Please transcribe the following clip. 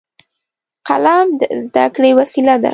قلم د زده کړې وسیله ده